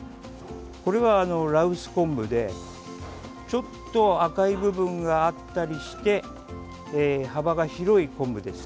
これは羅臼昆布でちょっと赤い部分があったりして幅が広い昆布です。